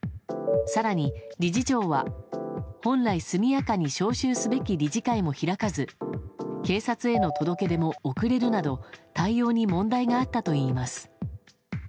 更に、理事長は本来速やかに招集すべき理事会も開かず警察への届け出も遅れるなど対応に問題があったといいます。